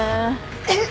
えっ！？